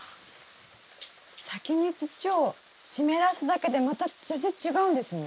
先に土を湿らすだけでまた全然違うんですね。